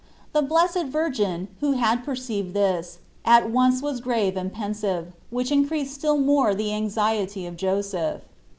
The Blessed Virgin, who had perceived this, at once was grave and pensive, which increased still more the anxiety of Joseph.